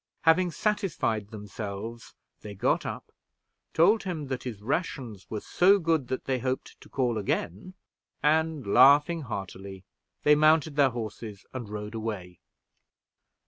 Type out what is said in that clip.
Having satisfied themselves, they got up, told him that his rations were so good that they hoped to call again; and, laughing heartily, they mounted their horses, and rode away.